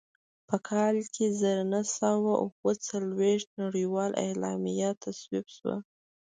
په کال زر نهه سوه اووه څلوېښت نړیواله اعلامیه تصویب شوه.